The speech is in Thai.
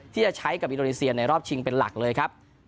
ที่จะใช้กับอินโดนีเซียในรอบชิงเป็นหลักเลยครับ